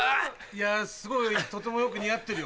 すごいとてもよく似合ってるよ。